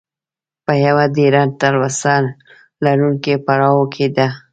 په یوه ډېره تلوسه لرونکي پړاو کې ده.